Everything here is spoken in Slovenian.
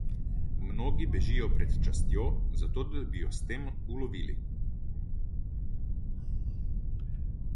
Mnogi bežijo pred častjo, zato da bi jo s tem ulovili.